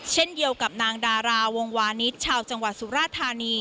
เช่นเดียวกับนางดาราวงวานิสชาวจังหวัดสุราธานี